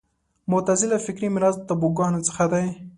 معتزله فکري میراث تابوګانو څخه دی